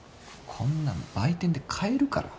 こんなん売店で買えるから。